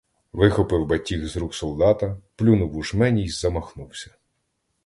Вихопив батіг з рук солдата, плюнув у жмені й замахнувся.